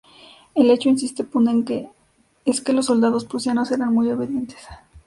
El hecho, insiste Pond, es que los soldados prusianos eran muy obedientes.